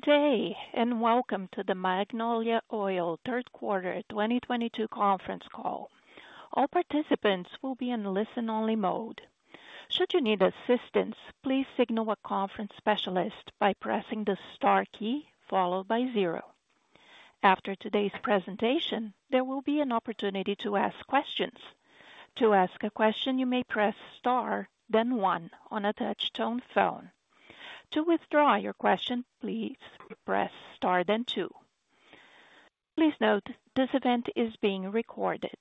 Good day, and welcome to the Magnolia Oil third quarter 2022 conference call. All participants will be in listen only mode. Should you need assistance, please signal a conference specialist by pressing the star key followed by 0. After today's presentation, there will be an opportunity to ask questions. To ask a question, you may press star then 1 on a touchtone phone. To withdraw your question, please press star then 2. Please note this event is being recorded.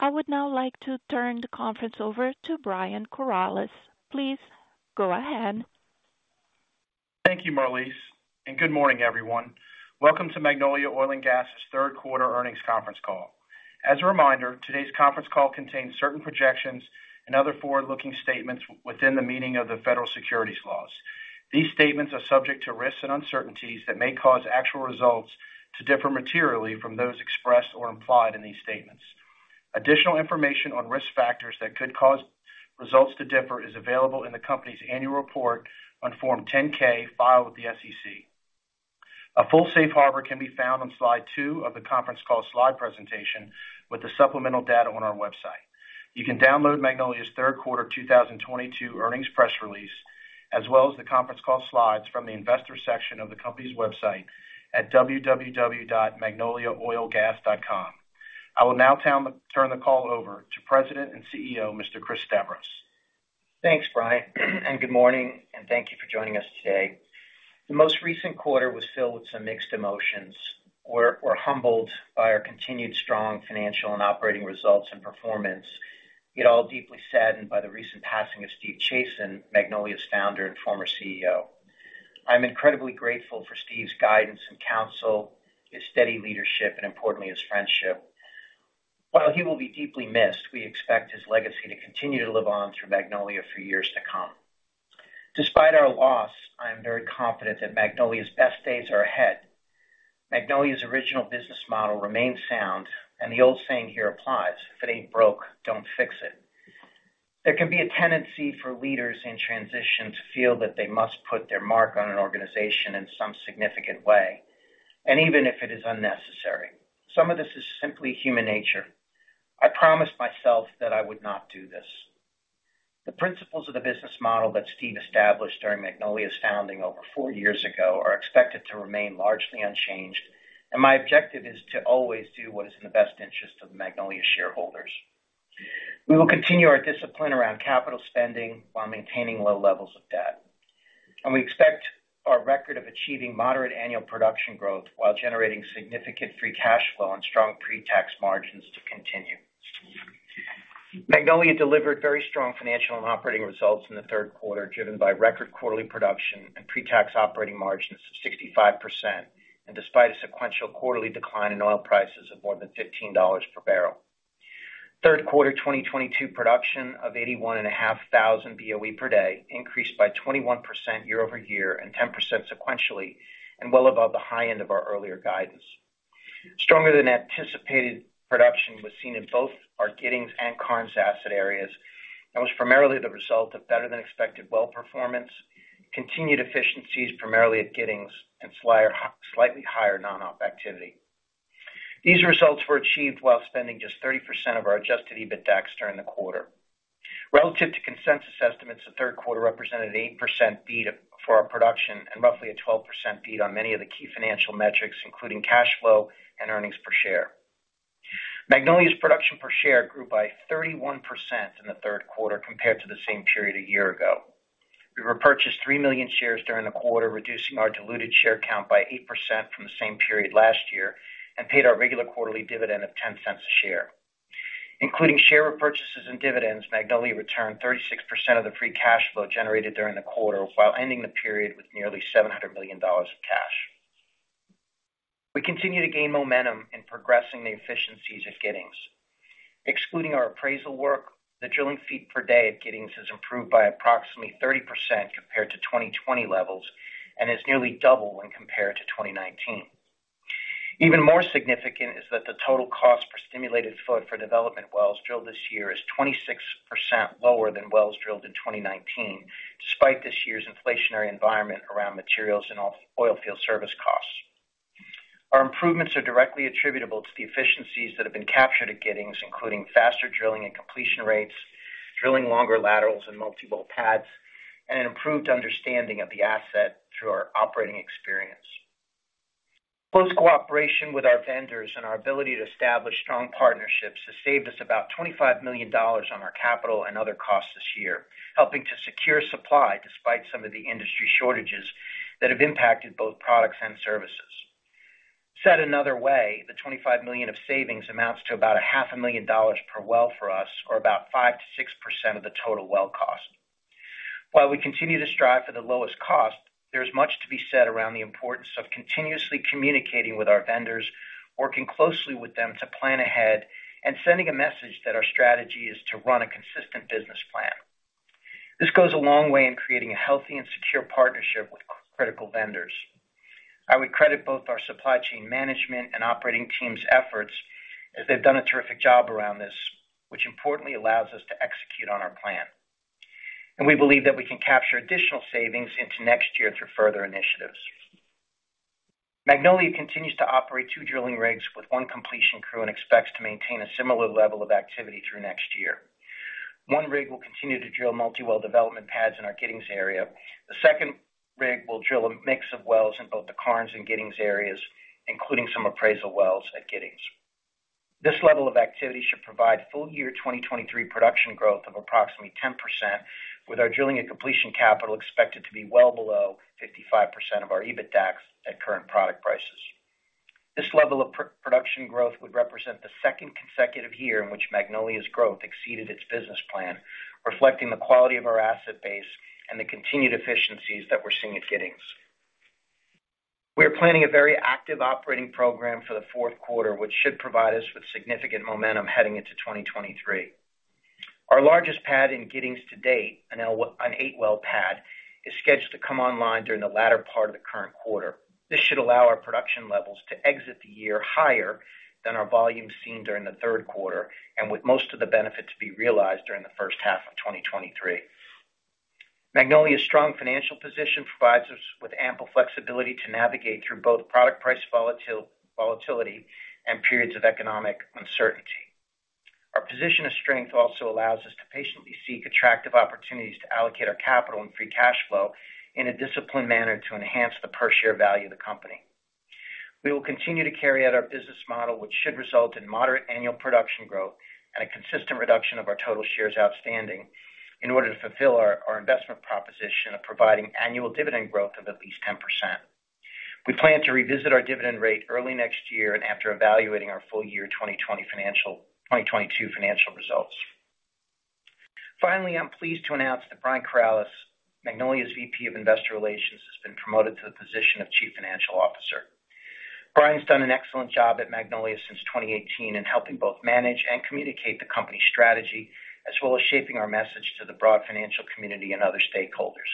I would now like to turn the conference over to Brian Corales. Please go ahead. Thank you, Marlise, and good morning, everyone. Welcome to Magnolia Oil & Gas's third quarter earnings conference call. As a reminder, today's conference call contains certain projections and other forward-looking statements within the meaning of the federal securities laws. These statements are subject to risks and uncertainties that may cause actual results to differ materially from those expressed or implied in these statements. Additional information on risk factors that could cause results to differ is available in the company's annual report on Form 10-K filed with the SEC. A full safe harbor can be found on slide 2 of the conference call slide presentation with the supplemental data on our website. You can download Magnolia's third quarter 2022 earnings press release, as well as the conference call slides from the investor section of the company's website at www.magnoliaoilgas.com. I will now turn the call over to President and CEO, Mr. Christopher Stavros. Thanks, Brian, and good morning, and thank you for joining us today. The most recent quarter was filled with some mixed emotions. We're humbled by our continued strong financial and operating results and performance, yet all deeply saddened by the recent passing of Stephen Chazen, Magnolia's founder and former CEO. I'm incredibly grateful for Steve's guidance and counsel, his steady leadership, and importantly, his friendship. While he will be deeply missed, we expect his legacy to continue to live on through Magnolia for years to come. Despite our loss, I am very confident that Magnolia's best days are ahead. Magnolia's original business model remains sound, and the old saying here applies, if it ain't broke, don't fix it. There can be a tendency for leaders in transition to feel that they must put their mark on an organization in some significant way, and even if it is unnecessary. Some of this is simply human nature. I promised myself that I would not do this. The principles of the business model that Steve established during Magnolia's founding over 4 years ago are expected to remain largely unchanged, and my objective is to always do what is in the best interest of Magnolia shareholders. We will continue our discipline around capital spending while maintaining low levels of debt. We expect our record of achieving moderate annual production growth while generating significant free cash flow and strong pre-tax margins to continue. Magnolia delivered very strong financial and operating results in the third quarter, driven by record quarterly production and pre-tax operating margins of 65%, and despite a sequential quarterly decline in oil prices of more than $15 per barrel. Third quarter 2022 production of 81.5 thousand BOE per day increased by 21% year-over-year and 10% sequentially and well above the high end of our earlier guidance. Stronger than anticipated production was seen in both our Giddings and Karnes asset areas. That was primarily the result of better than expected well performance, continued efficiencies primarily at Giddings and slightly higher non-op activity. These results were achieved while spending just 30% of our adjusted EBITDAX during the quarter. Relative to consensus estimates, the third quarter represented 8% beat for our production and roughly a 12% beat on many of the key financial metrics, including cash flow and earnings per share. Magnolia's production per share grew by 31% in the third quarter compared to the same period a year ago. We repurchased 3 million shares during the quarter, reducing our diluted share count by 8% from the same period last year and paid our regular quarterly dividend of $0.10 a share. Including share repurchases and dividends, Magnolia returned 36% of the free cash flow generated during the quarter, while ending the period with nearly $700 million of cash. We continue to gain momentum in progressing the efficiencies at Giddings. Excluding our appraisal work, the drilling feet per day at Giddings has improved by approximately 30% compared to 2020 levels and is nearly double when compared to 2019. Even more significant is that the total cost per stimulated foot for development wells drilled this year is 26% lower than wells drilled in 2019, despite this year's inflationary environment around materials and oil field service costs. Our improvements are directly attributable to the efficiencies that have been captured at Giddings, including faster drilling and completion rates, drilling longer laterals and multiple pads, and an improved understanding of the asset through our operating experience. Close cooperation with our vendors and our ability to establish strong partnerships has saved us about $25 million on our capital and other costs this year, helping to secure supply despite some of the industry shortages that have impacted both products and services. Said another way, the $25 million of savings amounts to about half a million dollars per well for us or about 5% to 6% of the total well cost. While we continue to strive for the lowest cost, there's much to be said around the importance of continuously communicating with our vendors, working closely with them to plan ahead, and sending a message that our strategy is to run a consistent business plan. This goes a long way in creating a healthy and secure partnership with critical vendors. We credit both our supply chain management and operating teams' efforts, as they've done a terrific job around this, which importantly allows us to execute on our plan. We believe that we can capture additional savings into next year through further initiatives. Magnolia continues to operate two drilling rigs with one completion crew and expects to maintain a similar level of activity through next year. One rig will continue to drill multi-well development pads in our Giddings area. The second rig will drill a mix of wells in both the Karnes and Giddings areas, including some appraisal wells at Giddings. This level of activity should provide full year 2023 production growth of approximately 10%, with our drilling and completion capital expected to be well below 55% of our EBITDAX at current product prices. This level of production growth would represent the second consecutive year in which Magnolia's growth exceeded its business plan, reflecting the quality of our asset base and the continued efficiencies that we're seeing at Giddings. We're planning a very active operating program for the fourth quarter, which should provide us with significant momentum heading into 2023. Our largest pad in Giddings to date, an 8-well pad, is scheduled to come online during the latter part of the current quarter. This should allow our production levels to exit the year higher than our volume seen during the third quarter, and with most of the benefits to be realized during the first half of 2023. Magnolia's strong financial position provides us with ample flexibility to navigate through both product price volatility and periods of economic uncertainty. Our position of strength also allows us to patiently seek attractive opportunities to allocate our capital and free cash flow in a disciplined manner to enhance the per share value of the company. We will continue to carry out our business model, which should result in moderate annual production growth and a consistent reduction of our total shares outstanding in order to fulfill our investment proposition of providing annual dividend growth of at least 10%. We plan to revisit our dividend rate early next year and after evaluating our full year 2022 financial results. Finally, I'm pleased to announce that Brian Corales, Magnolia's VP of Investor Relations, has been promoted to the position of Chief Financial Officer. Brian's done an excellent job at Magnolia since 2018 in helping both manage and communicate the company's strategy, as well as shaping our message to the broad financial community and other stakeholders.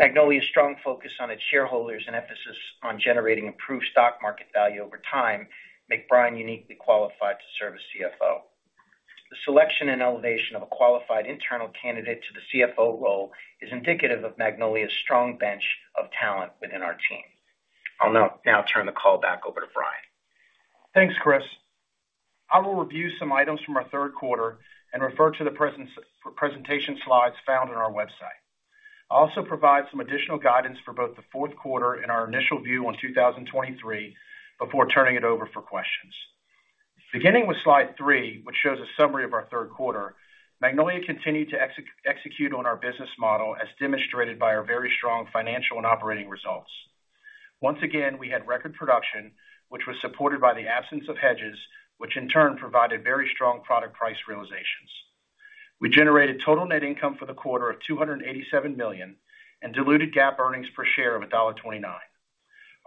Magnolia's strong focus on its shareholders and emphasis on generating improved stock market value over time make Brian uniquely qualified to serve as CFO. The selection and elevation of a qualified internal candidate to the CFO role is indicative of Magnolia's strong bench of talent within our team. I'll now turn the call back over to Brian. Thanks, Chris. I will review some items from our third quarter and refer to the presentation slides found on our website. I'll also provide some additional guidance for both the fourth quarter and our initial view on 2023 before turning it over for questions. Beginning with slide 3, which shows a summary of our third quarter, Magnolia continued to execute on our business model, as demonstrated by our very strong financial and operating results. Once again, we had record production, which was supported by the absence of hedges, which in turn provided very strong product price realizations. We generated total net income for the quarter of $287 million and diluted GAAP earnings per share of $1.29.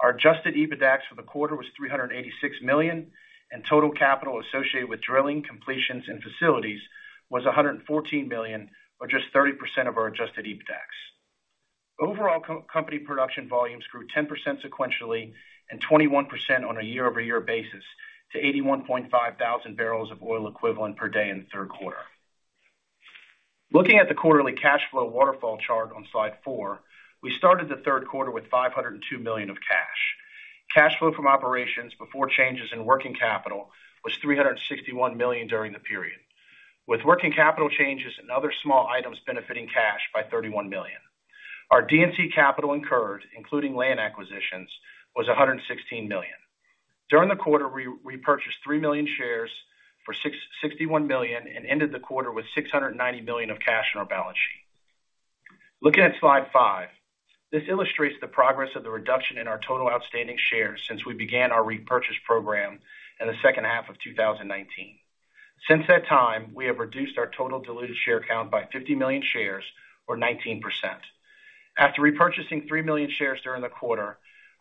Our adjusted EBITDAX for the quarter was $386 million, and total capital associated with drilling, completions, and facilities was $114 million, or just 30% of our adjusted EBITDAX. Company production volumes grew 10% sequentially and 21% on a year-over-year basis to 81.5 thousand barrels of oil equivalent per day in the third quarter. Looking at the quarterly cash flow waterfall chart on slide 4, we started the third quarter with $502 million of cash. Cash flow from operations before changes in working capital was $361 million during the period, with working capital changes and other small items benefiting cash by $31 million. Our D&C capital incurred, including land acquisitions, was $116 million. During the quarter, we repurchased 3 million shares for $61 million and ended the quarter with $690 million of cash on our balance sheet. Looking at slide 5, this illustrates the progress of the reduction in our total outstanding shares since we began our repurchase program in the second half of 2019. Since that time, we have reduced our total diluted share count by 50 million shares, or 19%. After repurchasing 3 million shares during the quarter,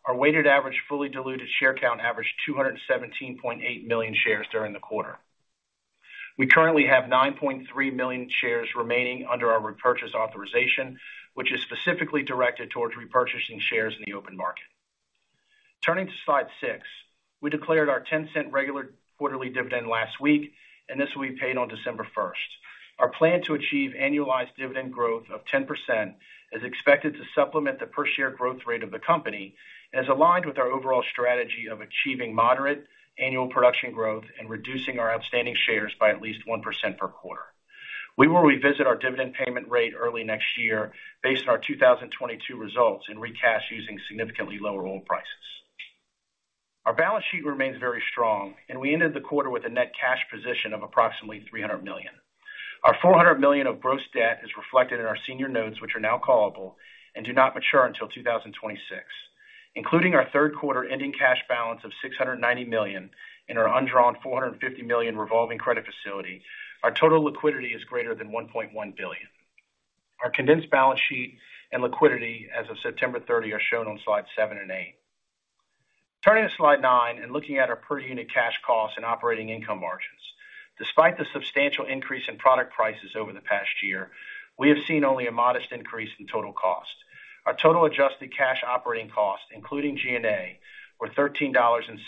our weighted average fully diluted share count averaged 217.8 million shares during the quarter. We currently have 9.3 million shares remaining under our repurchase authorization, which is specifically directed towards repurchasing shares in the open market. Turning to slide 6, we declared our $0.10 regular quarterly dividend last week, and this will be paid on December 1st. Our plan to achieve annualized dividend growth of 10% is expected to supplement the per share growth rate of the company and is aligned with our overall strategy of achieving moderate annual production growth and reducing our outstanding shares by at least 1% per quarter. We will revisit our dividend payment rate early next year based on our 2022 results and recast using significantly lower oil prices. Our balance sheet remains very strong, and we ended the quarter with a net cash position of approximately $300 million. Our $400 million of gross debt is reflected in our senior notes, which are now callable and do not mature until 2026. Including our third quarter ending cash balance of $690 million and our undrawn $450 million revolving credit facility, our total liquidity is greater than $1.1 billion. Our condensed balance sheet and liquidity as of September 30 are shown on slides 7 and 8. Turning to slide 9 and looking at our per unit cash costs and operating income margins. Despite the substantial increase in product prices over the past year, we have seen only a modest increase in total cost. Our total adjusted cash operating costs, including G&A, were $13.07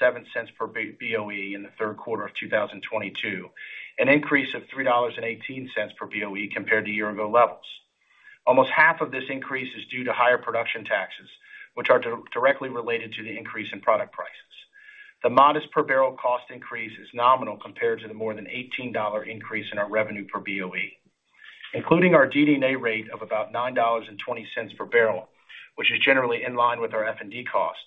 per BOE in the third quarter of 2022, an increase of $3.18 per BOE compared to year-ago levels. Almost half of this increase is due to higher production taxes, which are directly related to the increase in product prices. The modest per barrel cost increase is nominal compared to the more than $18 increase in our revenue per BOE, including our DD&A rate of about $9.20 per barrel, which is generally in line with our F&D cost.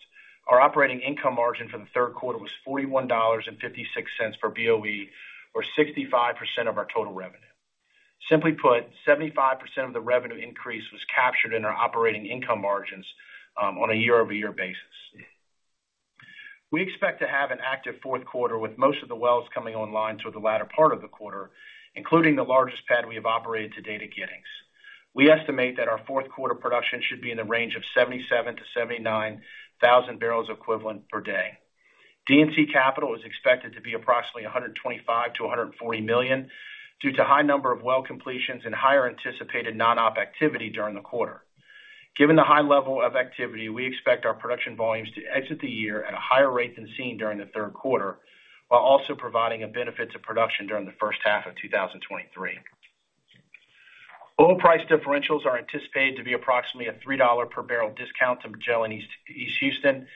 Our operating income margin for the third quarter was $41.56 per BOE, or 65% of our total revenue. Simply put, 75% of the revenue increase was captured in our operating income margins, on a year-over-year basis. We expect to have an active fourth quarter, with most of the wells coming online through the latter part of the quarter, including the largest pad we have operated to date at Giddings. We estimate that our fourth quarter production should be in the range of 77,000 to 79,000 barrels equivalent per day. D&C capital is expected to be approximately $125 million to $140 million due to high number of well completions and higher anticipated non-op activity during the quarter. Given the high level of activity, we expect our production volumes to exit the year at a higher rate than seen during the third quarter, while also providing a benefit to production during the first half of 2023. Oil price differentials are anticipated to be approximately a $3 per barrel discount to Magellan East Houston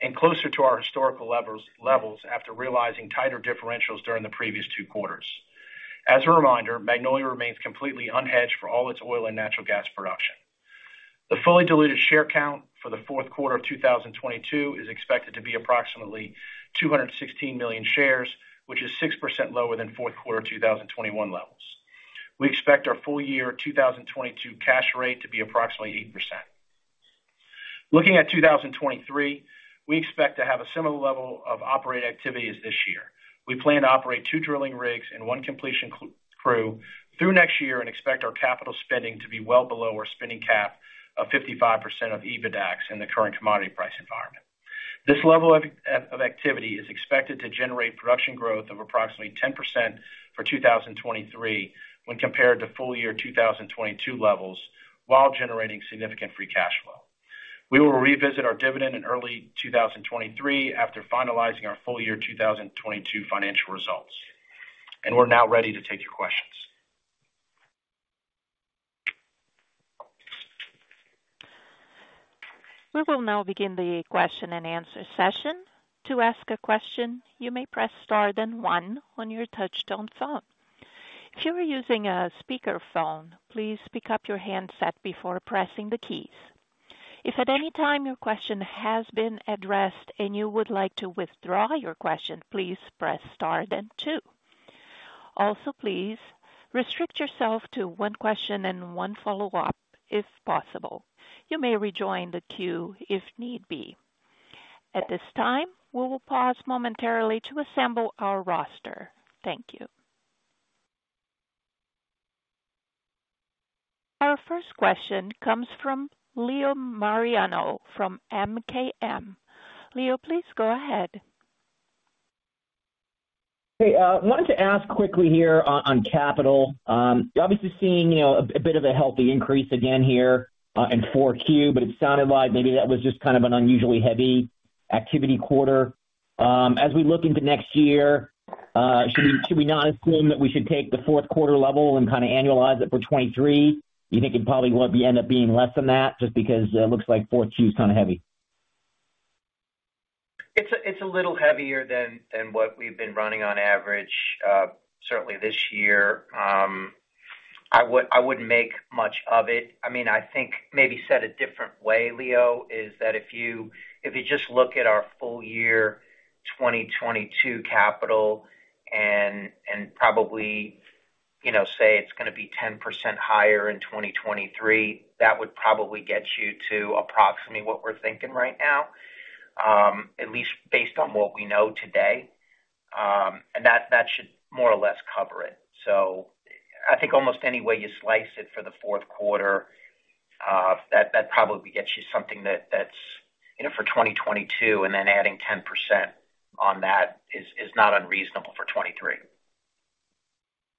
and closer to our historical levels after realizing tighter differentials during the previous two quarters. As a reminder, Magnolia remains completely unhedged for all its oil and natural gas production. The fully diluted share count for the fourth quarter of 2022 is expected to be approximately 216 million shares, which is 6% lower than fourth quarter 2021 levels. We expect our full year 2022 cash rate to be approximately 8%. Looking at 2023, we expect to have a similar level of operating activity as this year. We plan to operate 2 drilling rigs and 1 completion crew through next year and expect our capital spending to be well below our spending cap of 55% of EBITDAX in the current commodity price environment. This level of activity is expected to generate production growth of approximately 10% for 2023 when compared to full year 2022 levels, while generating significant free cash flow. We will revisit our dividend in early 2023 after finalizing our full year 2022 financial results. We're now ready to take your questions. We will now begin the question and answer session. To ask a question, you may press star then one on your touchtone phone. If you are using a speakerphone, please pick up your handset before pressing the keys. If at any time your question has been addressed and you would like to withdraw your question, please press star then two. Also, please restrict yourself to one question and one follow-up if possible. You may rejoin the queue if need be. At this time, we will pause momentarily to assemble our roster. Thank you. Our first question comes from Leo Mariani from MKM. Leo, please go ahead. Hey, wanted to ask quickly here on capital. Obviously seeing, you know, a bit of a healthy increase again here in 4Q, but it sounded like maybe that was just kind of an unusually heavy activity quarter. As we look into next year, should we not assume that we should take the fourth quarter level and kind of annualize it for 2023? You think it probably will end up being less than that just because it looks like 4Q is kind of heavy. It's a little heavier than what we've been running on average, certainly this year. I wouldn't make much of it. I mean, I think maybe said a different way, Leo, is that if you just look at our full year 2022 capital and probably, you know, say it's gonna be 10% higher in 2023, that would probably get you to approximately what we're thinking right now, at least based on what we know today. That should more or less cover it. I think almost any way you slice it for the fourth quarter, that probably gets you something that's, you know, for 2022, and then adding 10% on that is not unreasonable for 2023.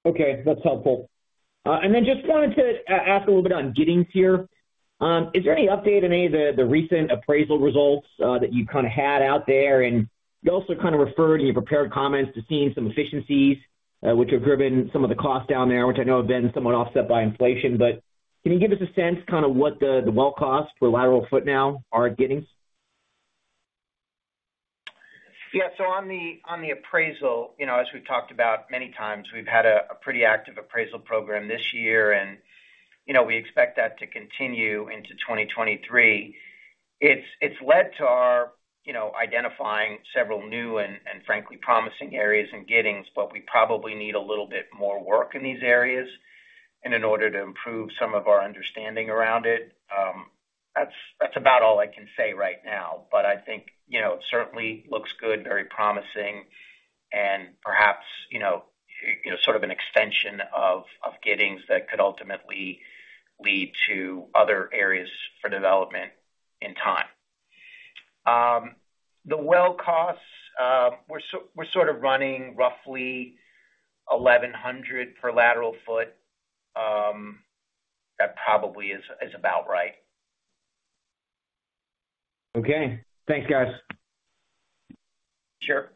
Okay, that's helpful. Just wanted to ask a little bit on Giddings here. Is there any update on any of the recent appraisal results that you kind of had out there? You also kind of referred in your prepared comments to seeing some efficiencies, which have driven some of the costs down there, which I know have been somewhat offset by inflation. Can you give us a sense kind of what the well cost per lateral foot now are at Giddings? Yeah. On the appraisal, you know, as we've talked about many times, we've had a pretty active appraisal program this year. We expect that to continue into 2023. It's led to our, you know, identifying several new and frankly promising areas in Giddings. We probably need a little bit more work in these areas, and in order to improve some of our understanding around it. That's about all I can say right now. I think, you know, it certainly looks good, very promising and perhaps, you know, sort of an extension of Giddings that could ultimately lead to other areas for development in time. The well costs, we're sort of running roughly $1,100 per lateral foot. That probably is about right. Okay. Thanks, guys. Sure.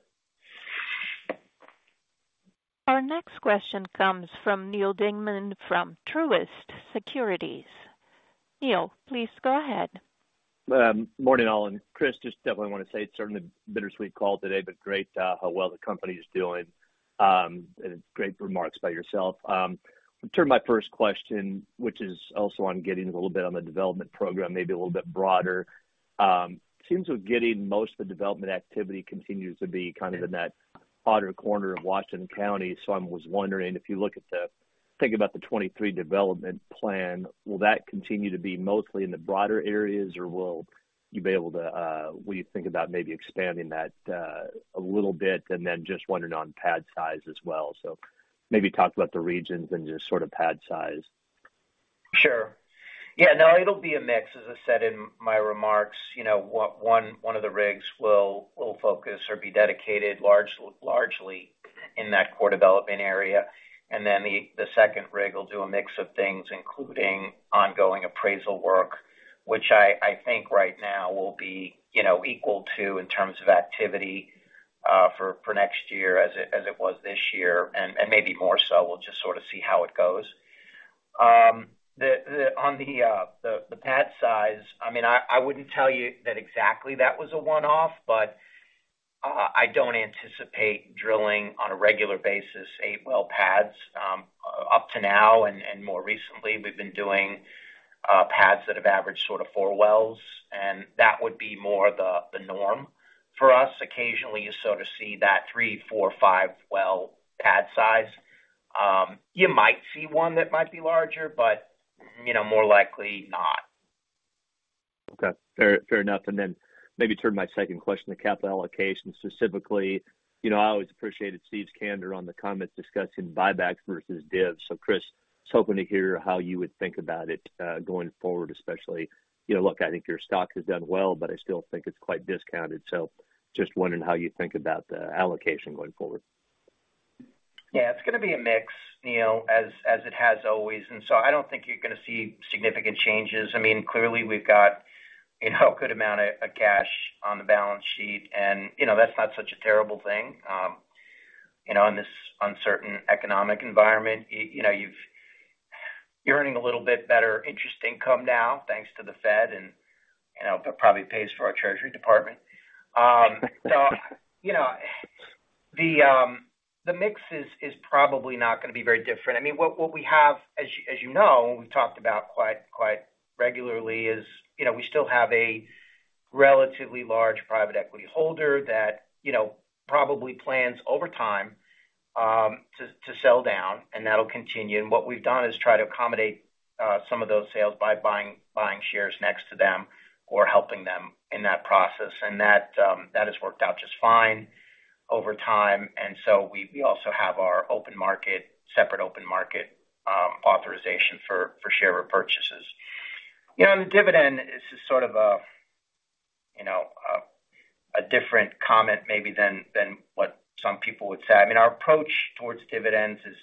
Our next question comes from Neal Dingmann from Truist Securities. Neal, please go ahead. Morning, all. Chris, just definitely wanna say it's certainly a bittersweet call today, but great how well the company is doing, and great remarks by yourself. Turn to my first question, which is also on getting a little bit on the development program, maybe a little bit broader. Seems we're getting most of the development activity continues to be kind of in that outer corner of Washington County. I was wondering if you think about the 2023 development plan, will that continue to be mostly in the border areas, or will you be able to, will you think about maybe expanding that, a little bit? Then just wondering on pad size as well. Maybe talk about the regions and just sort of pad size. Sure. Yeah. No, it'll be a mix. As I said in my remarks, you know, one of the rigs will focus or be dedicated largely in that core development area. Then the second rig will do a mix of things, including ongoing appraisal work, which I think right now will be, you know, equal to in terms of activity for next year as it was this year, and maybe more so. We'll just sorta see how it goes. On the pad size, I mean, I wouldn't tell you that exactly that was a one-off, but I don't anticipate drilling on a regular basis 8-well pads, up to now and more recently, we've been doing pads that have averaged sort of 4 wells, and that would be more the norm for us. Occasionally, you sort of see that 3, 4, 5 well pad size. You might see one that might be larger, but, you know, more likely not. Okay. Fair enough. Maybe turn to my second question, the capital allocation specifically. You know, I always appreciated Steve's candor on the comments discussing buybacks versus divs. Chris, I was hoping to hear how you would think about it, going forward, especially, you know. Look, I think your stock has done well, but I still think it's quite discounted. Just wondering how you think about the allocation going forward. Yeah, it's gonna be a mix, Neal, as it has always. I don't think you're gonna see significant changes. I mean, clearly we've got, you know, a good amount of cash on the balance sheet, and, you know, that's not such a terrible thing, you know, in this uncertain economic environment. You know, you're earning a little bit better interest income now, thanks to the Fed and, you know, that probably pays for our treasury department. So, you know, the mix is probably not gonna be very different. I mean, what we have, as you know, we've talked about quite regularly is, you know, we still have a relatively large private equity holder that, you know, probably plans over time, to sell down, and that'll continue. What we've done is try to accommodate some of those sales by buying shares next to them or helping them in that process. That has worked out just fine over time. We also have our separate open market authorization for share repurchases. You know, on the dividend, this is sort of a you know a different comment maybe than what some people would say. I mean, our approach towards dividends is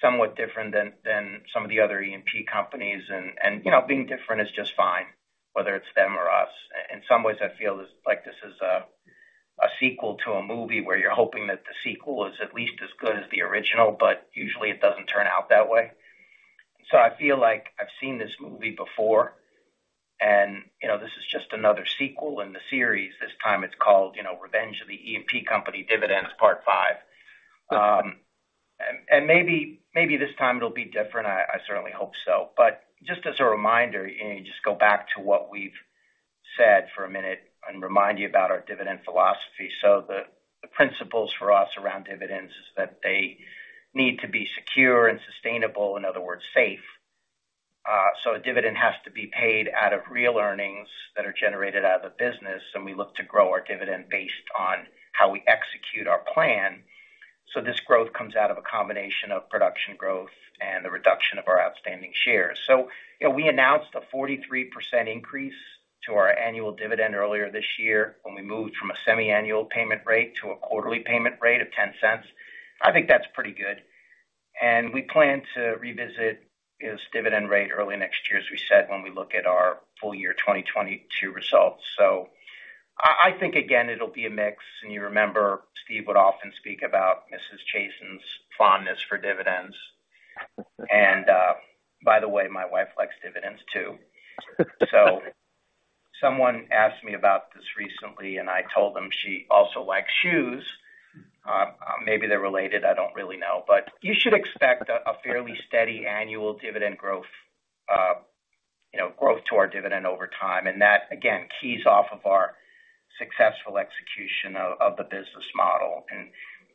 somewhat different than some of the other E&P companies. You know, being different is just fine, whether it's them or us. In some ways, I feel as like this is a sequel to a movie where you're hoping that the sequel is at least as good as the original, but usually it doesn't turn out that way. I feel like I've seen this movie before and, you know, this is just another sequel in the series. This time it's called, you know, Revenge of the E&P Company Dividends Part Five. Maybe this time it'll be different. I certainly hope so. Just as a reminder, just go back to what we've said for a minute and remind you about our dividend philosophy. The principles for us around dividends is that they need to be secure and sustainable, in other words, safe. A dividend has to be paid out of real earnings that are generated out of the business, and we look to grow our dividend based on how we execute our plan. This growth comes out of a combination of production growth and the reduction of our outstanding shares. You know, we announced a 43% increase to our annual dividend earlier this year when we moved from a semi-annual payment rate to a quarterly payment rate of $0.10. I think that's pretty good. We plan to revisit this dividend rate early next year, as we said, when we look at our full year 2022 results. I think, again, it'll be a mix. You remember Steve Chazen would often speak about Mrs. Chazen's fondness for dividends. By the way, my wife likes dividends, too. Someone asked me about this recently, and I told them she also likes shoes. Maybe they're related, I don't really know. You should expect a fairly steady annual dividend growth, you know, to our dividend over time. That, again, keys off of our successful execution of the business model.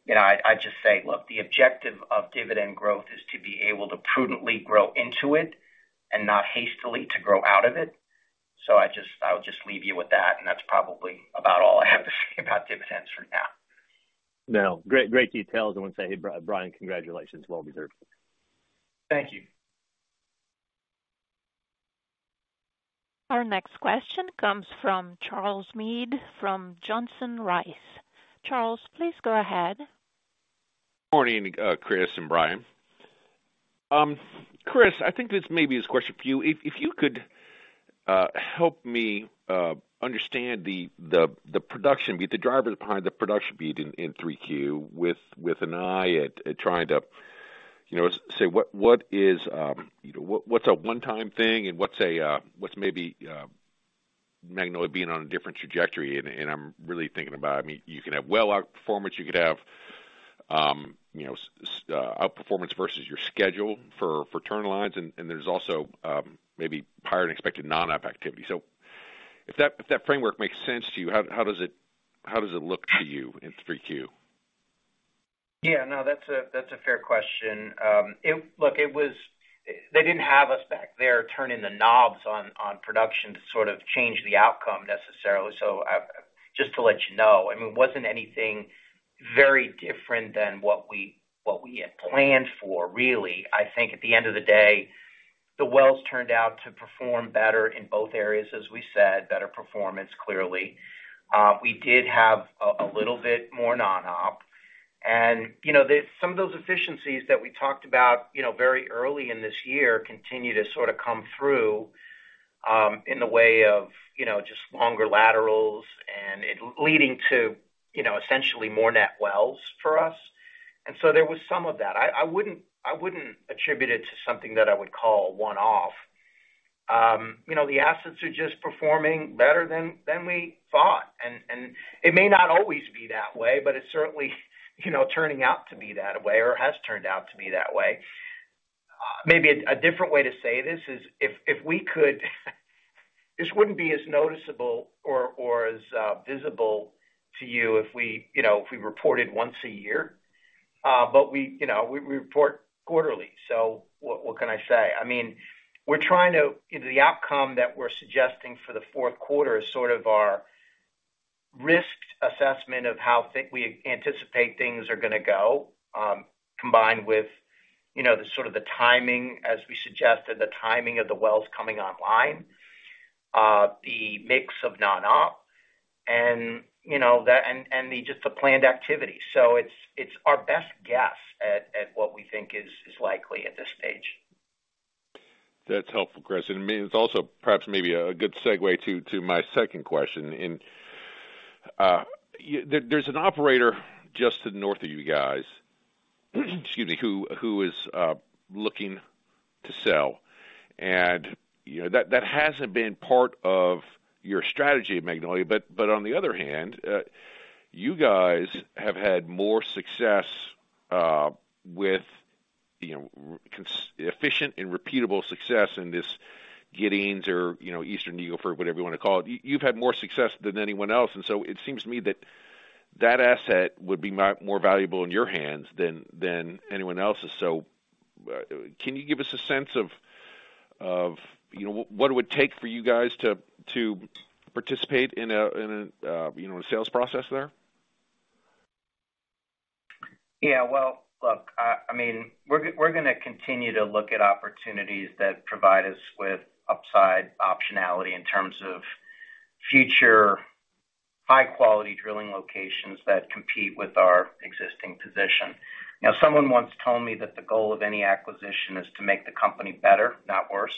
You know, I just say, look, the objective of dividend growth is to be able to prudently grow into it and not hastily to grow out of it. I would just leave you with that, and that's probably about all I have to say about dividends for now. No, great details. I wanna say, Brian, congratulations. Well deserved. Thank you. Our next question comes from Charles Meade from Johnson Rice. Charles, please go ahead. Morning, Chris and Brian. Chris, I think this may be the question for you. If you could help me understand the drivers behind the production beat in 3Q with an eye to trying to, you know, say what is, you know, what's a one-time thing and what's maybe Magnolia being on a different trajectory, and I'm really thinking about, I mean, you could have well outperformance, you could have, you know, outperformance versus your schedule for turn-in lines. And there's also maybe higher-than-expected non-op activity. If that framework makes sense to you, how does it look to you in 3Q? Yeah, no, that's a fair question. They didn't have us back there turning the knobs on production to sort of change the outcome necessarily. Just to let you know, I mean, it wasn't anything very different than what we had planned for, really. I think at the end of the day, the wells turned out to perform better in both areas, as we said, better performance, clearly. We did have a little bit more non-op. You know, some of those efficiencies that we talked about, you know, very early in this year continue to sort of come through in the way of, you know, just longer laterals and it leading to, you know, essentially more net wells for us. There was some of that. I wouldn't attribute it to something that I would call a one-off. You know, the assets are just performing better than we thought. It may not always be that way, but it's certainly, you know, turning out to be that way or has turned out to be that way. Maybe a different way to say this is this wouldn't be as noticeable or as visible to you if we, you know, if we reported once a year. We, you know, we report quarterly. What can I say? I mean, the outcome that we're suggesting for the fourth quarter is sort of our risk assessment of how things we anticipate are gonna go, combined with, you know, the timing, as we suggested, of the wells coming online, the mix of non-op and, you know, the planned activity. It's our best guess at what we think is likely at this stage. That's helpful, Chris. It's also perhaps maybe a good segue to my second question. There's an operator just to the north of you guys. Excuse me, who is looking to sell. You know, that hasn't been part of your strategy at Magnolia. But on the other hand, you guys have had more success with, you know, efficient and repeatable success in this Giddings or, you know, Eastern Eagle Ford, whatever you wanna call it. You've had more success than anyone else. It seems to me that that asset would be more valuable in your hands than anyone else's. Can you give us a sense of what it would take for you guys to participate in a sales process there? Yeah. Well, look, I mean, we're gonna continue to look at opportunities that provide us with upside optionality in terms of future high-quality drilling locations that compete with our existing position. You know, someone once told me that the goal of any acquisition is to make the company better, not worse.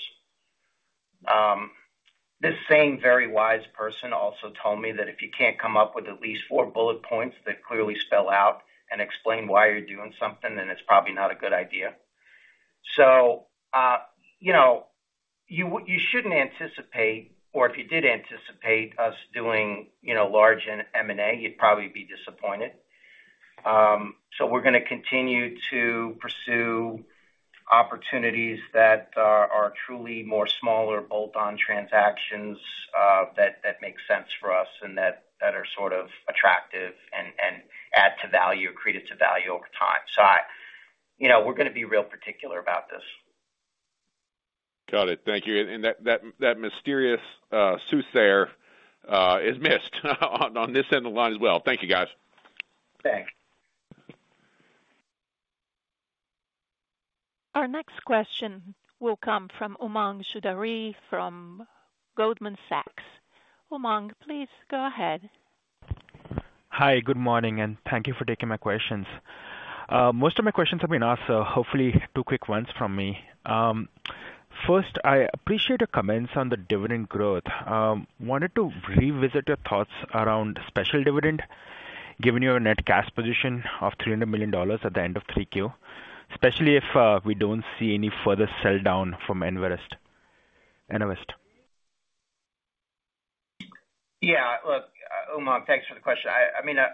This same very wise person also told me that if you can't come up with at least four bullet points that clearly spell out and explain why you're doing something, then it's probably not a good idea. You shouldn't anticipate, or if you did anticipate us doing, you know, large M&A, you'd probably be disappointed. We're gonna continue to pursue opportunities that are truly more smaller bolt-on transactions, that make sense for us and that are sort of attractive and add to value, accretive to value over time. You know, we're gonna be real particular about this. Got it. Thank you. That mysterious soothsayer is missed on this end of the line as well. Thank you, guys. Thanks. Our next question will come from Umang Choudhary from Goldman Sachs. Umang, please go ahead. Hi, good morning, and thank you for taking my questions. Most of my questions have been asked, so hopefully two quick ones from me. First, I appreciate your comments on the dividend growth. Wanted to revisit your thoughts around special dividend, given your net cash position of $300 million at the end of 3Q, especially if we don't see any further sell-down from EnerVest. Yeah. Look, Umang, thanks for the question. I mean, a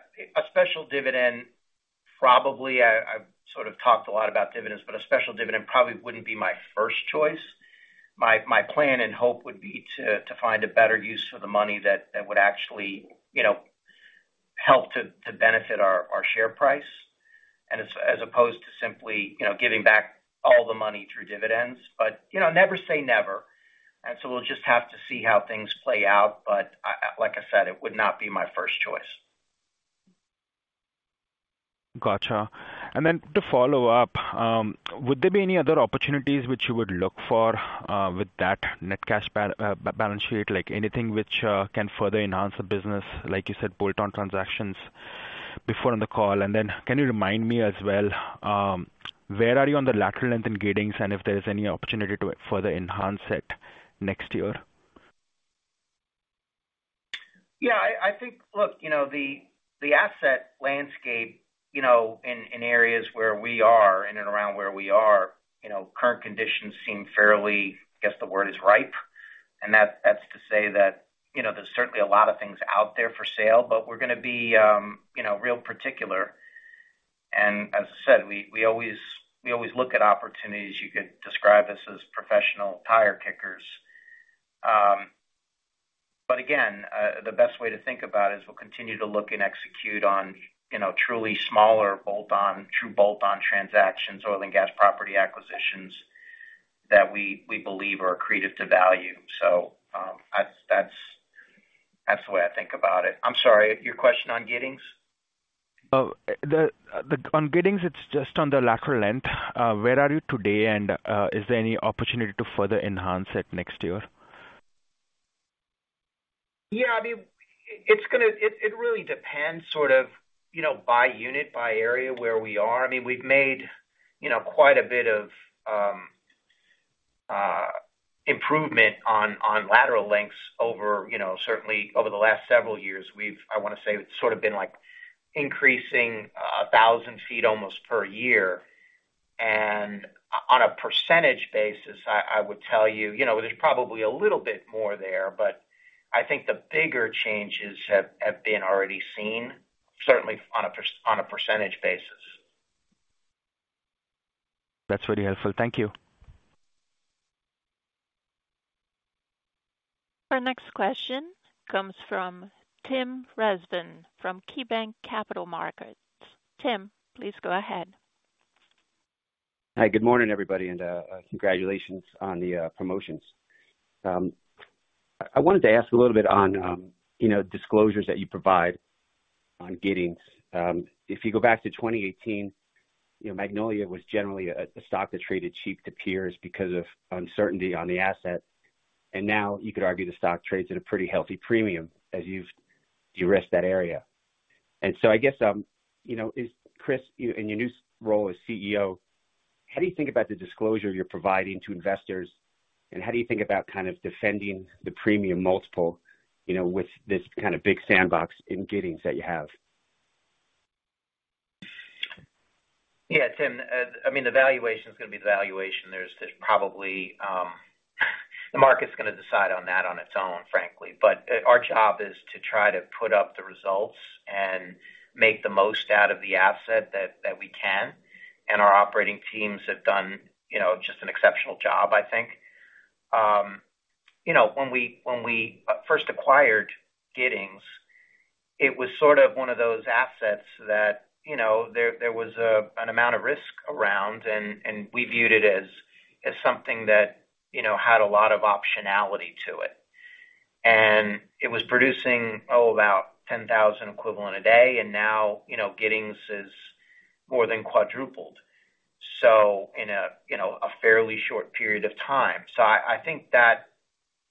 special dividend, probably I sort of talked a lot about dividends, but a special dividend probably wouldn't be my first choice. My plan and hope would be to find a better use for the money that would actually, you know, help to benefit our share price, and as opposed to simply, you know, giving back all the money through dividends. You know, never say never. We'll just have to see how things play out. Like I said, it would not be my first choice. Gotcha. To follow up, would there be any other opportunities which you would look for with that net cash balance sheet? Like anything which can further enhance the business, like you said, bolt-on transactions before on the call? Can you remind me as well, where are you on the lateral length in Giddings, and if there's any opportunity to further enhance it next year? Yeah. I think, look, you know, the asset landscape, you know, in areas where we are in and around where we are, you know, current conditions seem fairly, I guess the word is ripe. That's to say that, you know, there's certainly a lot of things out there for sale, but we're gonna be, you know, real particular. As I said, we always look at opportunities. You could describe us as professional tire kickers. Again, the best way to think about it is we'll continue to look and execute on, you know, truly smaller bolt-on, true bolt-on transactions, oil and gas property acquisitions that we believe are accretive to value. That's the way I think about it. I'm sorry, your question on Giddings? On Giddings, it's just on the lateral length. Where are you today? Is there any opportunity to further enhance it next year? Yeah, I mean, it really depends sort of, you know, by unit, by area where we are. I mean, we've made, you know, quite a bit of improvement on lateral lengths over, you know, certainly over the last several years. I wanna say it's sort of been like increasing 1,000 feet almost per year. On a percentage basis, I would tell you know, there's probably a little bit more there, but I think the bigger changes have been already seen, certainly on a per, on a percentage basis. That's very helpful. Thank you. Our next question comes from Tim Rezvan from KeyBanc Capital Markets. Tim, please go ahead. Hi, good morning, everybody, and congratulations on the promotions. I wanted to ask a little bit on, you know, disclosures that you provide on Giddings. If you go back to 2018, you know, Magnolia was generally a stock that traded cheap to peers because of uncertainty on the asset. Now you could argue the stock trades at a pretty healthy premium as you've de-risked that area. I guess, you know, Chris, in your new role as CEO, how do you think about the disclosure you're providing to investors, and how do you think about kind of defending the premium multiple, you know, with this kind of big sandbox in Giddings that you have? Yeah, Tim. I mean, the valuation is gonna be the valuation. There's probably the market's gonna decide on that on its own, frankly. But, our job is to try to put up the results and make the most out of the asset that we can, and our operating teams have done, you know, just an exceptional job, I think. You know, when we first acquired Giddings, it was sort of one of those assets that, you know, there was an amount of risk around, and we viewed it as something that, you know, had a lot of optionality to it. It was producing about 10,000 BOE a day, and now, you know, Giddings is more than quadrupled, so in a you know, a fairly short period of time. I think that,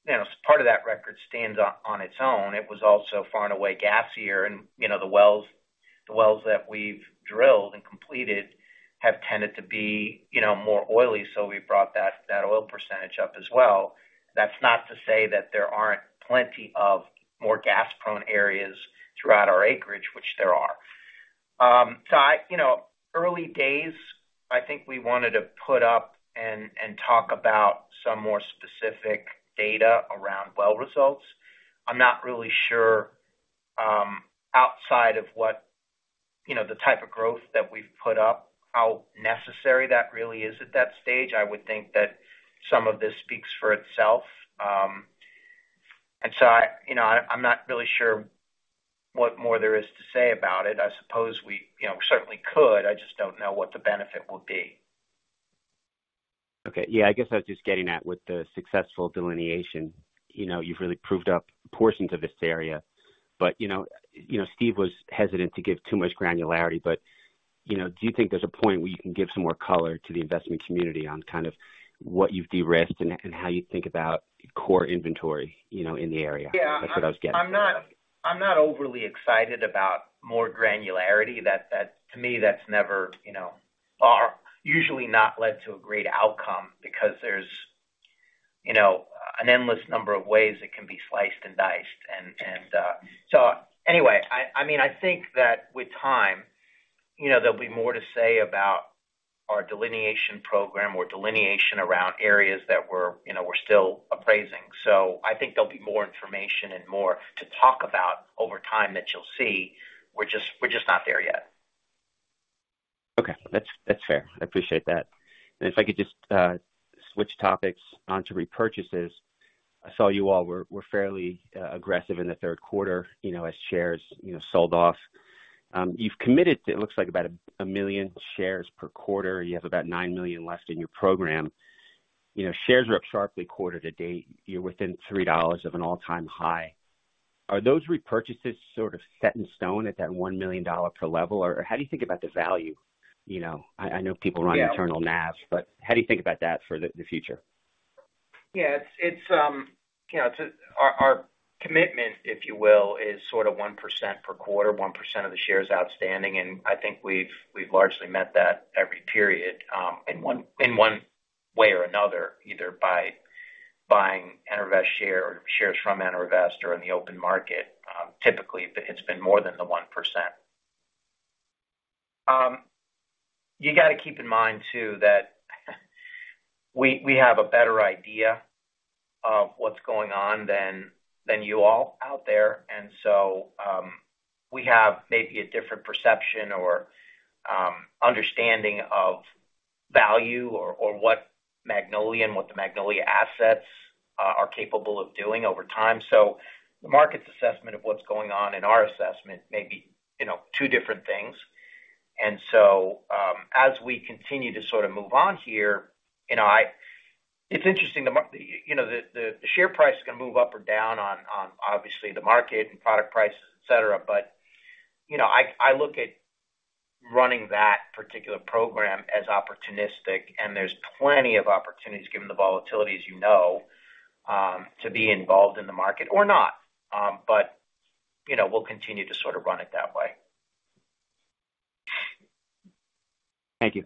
you know, part of that record stands on its own. It was also far and away gassier. You know, the wells that we've drilled and completed have tended to be, you know, more oily, so we brought that oil percentage up as well. That's not to say that there aren't plenty of more gas prone areas throughout our acreage, which there are. You know, early days, I think we wanted to put up and talk about some more specific data around well results. I'm not really sure, outside of what, you know, the type of growth that we've put up, how necessary that really is at that stage. I would think that some of this speaks for itself. I, you know, I'm not really sure what more there is to say about it. I suppose we, you know, certainly could. I just don't know what the benefit would be. Okay. Yeah, I guess I was just getting at with the successful delineation, you know, you've really proved up portions of this area, but you know, Steve was hesitant to give too much granularity. You know, do you think there's a point where you can give some more color to the investment community on kind of what you've de-risked and how you think about core inventory, you know, in the area? Yeah. That's what I was getting at. I'm not overly excited about more granularity. That to me, that's never, you know, or usually not led to a great outcome because there's, you know, an endless number of ways it can be sliced and diced. Anyway, I mean, I think that with time, you know, there'll be more to say about our delineation program or delineation around areas that we're, you know, still appraising. I think there'll be more information and more to talk about over time that you'll see. We're just not there yet. Okay. That's fair. I appreciate that. If I could just switch topics onto repurchases. I saw you all were fairly aggressive in the third quarter, you know, as shares, you know, sold off. You've committed to it looks like about 1 million shares per quarter. You have about 9 million left in your program. You know, shares are up sharply quarter to date. You're within $3 of an all-time high. Are those repurchases sort of set in stone at that $1 million per level? Or how do you think about the value? You know, I know people run internal NAVs, but how do you think about that for the future? Yeah, it's our commitment, if you will, is sort of 1% per quarter, 1% of the shares outstanding. I think we've largely met that every period, in one way or another, either by buying EnerVest share or shares from EnerVest or in the open market. Typically, it's been more than the 1%. You gotta keep in mind too that we have a better idea of what's going on than you all out there. We have maybe a different perception or understanding of value or what Magnolia and what the Magnolia assets are capable of doing over time. The market's assessment of what's going on and our assessment may be, you know, two different things. As we continue to sort of move on here, you know, it's interesting, you know, the share price is gonna move up or down on obviously the market and product prices, et cetera. You know, I look at running that particular program as opportunistic, and there's plenty of opportunities given the volatility, as you know, to be involved in the market or not. You know, we'll continue to sort of run it that way. Thank you.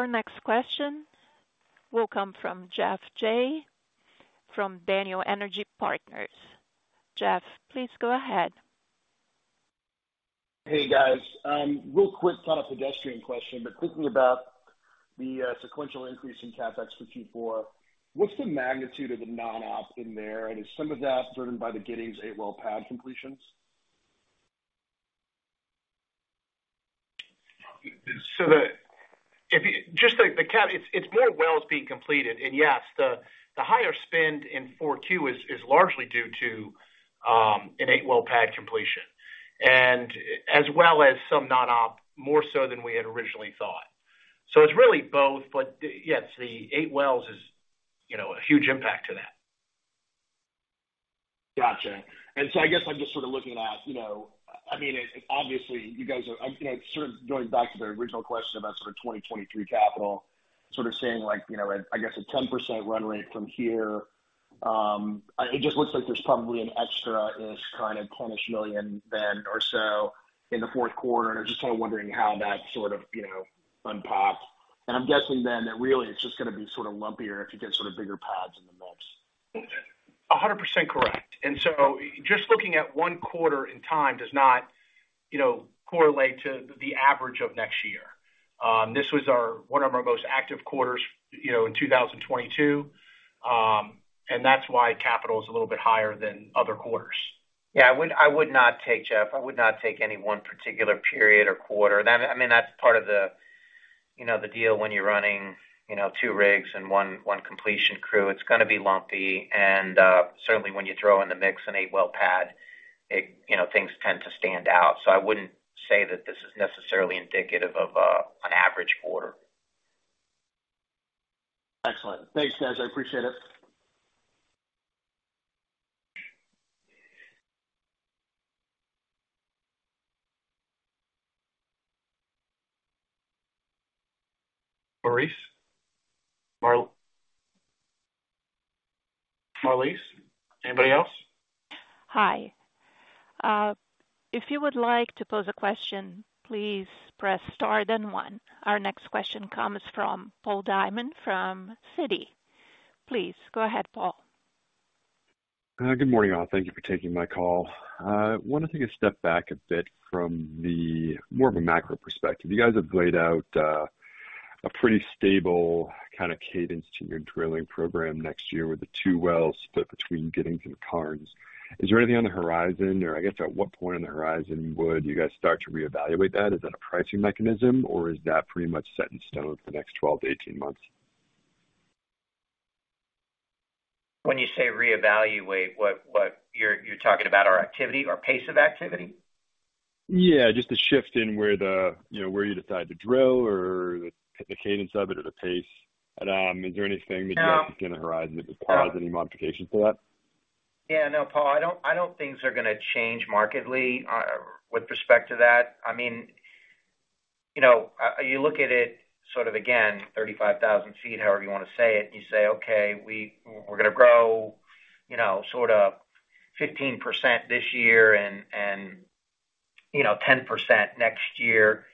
Our next question will come from Geoff Jay, from Daniel Energy Partners. Geoff, please go ahead. Hey, guys. Real quick, kind of pedestrian question, but quickly about the sequential increase in CapEx for Q4. What's the magnitude of the non-op in there? Is some of that driven by the Giddings eight-well pad completions? If you just the cap, it's more wells being completed. Yes, the higher spend in Q4 is largely due to an eight-well pad completion, as well as some non-op, more so than we had originally thought. It's really both, but yes, the eight wells is, you know, a huge impact to that. Gotcha. I guess I'm just sort of looking at, you know, I mean, obviously you guys are, you know, sort of going back to the original question about sort of 2023 capital, sort of saying like, you know, I guess a 10% run rate from here. It just looks like there's probably an extra-ish kind of $10 million or so in the fourth quarter. I'm just kind of wondering how that sort of, you know, unpacks. I'm guessing then that really it's just gonna be sort of lumpier if you get sort of bigger pads in the mix. 100% correct. Just looking at one quarter in time does not, you know, correlate to the average of next year. This was one of our most active quarters, you know, in 2022. And that's why capital is a little bit higher than other quarters. Yeah, I would not take, Geoff, I would not take any one particular period or quarter. I mean, that's part of the, you know, the deal when you're running, you know, two rigs and one completion crew. It's gonna be lumpy. And certainly when you throw in the mix an eight-well pad, it, you know, things tend to stand out. I wouldn't say that this is necessarily indicative of an average quarter. Excellent. Thanks, guys. I appreciate it. Marlise? Marlise? Anybody else? Hi. If you would like to pose a question, please press star then one. Our next question comes from Paul Diamond from Citi. Please go ahead, Paul. Good morning, all. Thank you for taking my call. Wanna take a step back a bit from the more of a macro perspective. You guys have laid out a pretty stable kinda cadence to your drilling program next year with the two wells split between Giddings and Karnes. Is there anything on the horizon, or I guess at what point on the horizon would you guys start to reevaluate that? Is that a pricing mechanism, or is that pretty much set in stone for the next 12 to 18 months? When you say reevaluate, what you're talking about our activity or pace of activity? Yeah, just a shift in where the, you know, where you decide to drill or the cadence of it or the pace. Is there anything that you guys see on the horizon that would cause any modifications to that? Yeah, no, Paul, I don't think they're gonna change markedly with respect to that. I mean, you know, you look at it sort of again, 35,000 feet, however you wanna say it. You say, okay, we're gonna grow, you know, sort of 15% this year and, you know, 10% next year.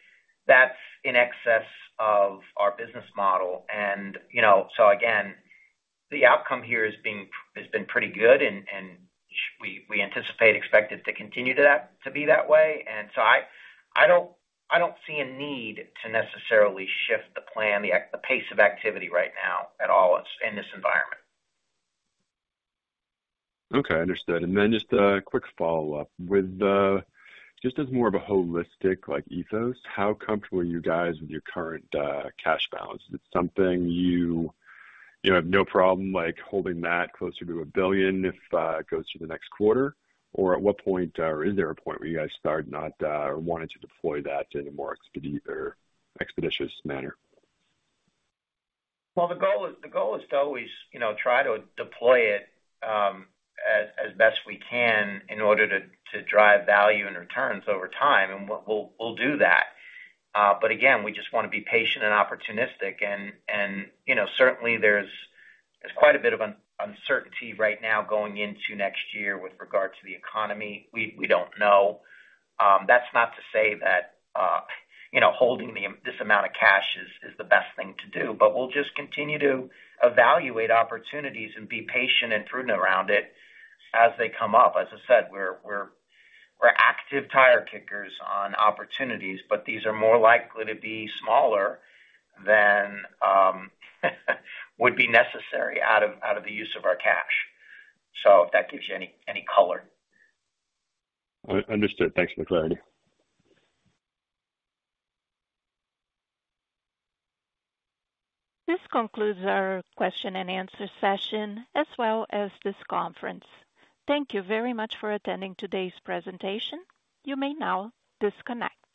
That's in excess of our business model. You know, so again, the outcome here has been pretty good and we anticipate expect it to continue to be that way. I don't see a need to necessarily shift the plan, the pace of activity right now at all in this environment. Okay, understood. Just a quick follow-up. Just as more of a holistic, like, ethos, how comfortable are you guys with your current cash balance? Is it something you know have no problem like holding that closer to $1 billion if it goes through the next quarter? Or at what point or is there a point where you guys start not or wanting to deploy that in a more expeditious manner? Well, the goal is to always, you know, try to deploy it as best we can in order to drive value and returns over time. We'll do that. Again, we just wanna be patient and opportunistic and, you know, certainly there's quite a bit of uncertainty right now going into next year with regard to the economy. We don't know. That's not to say that, you know, holding this amount of cash is the best thing to do. We'll just continue to evaluate opportunities and be patient and prudent around it as they come up. As I said, we're active tire kickers on opportunities, but these are more likely to be smaller than would be necessary out of the use of our cash. If that gives you any color. Understood. Thanks for the clarity. This concludes our question and answer session as well as this conference. Thank you very much for attending today's presentation. You may now disconnect.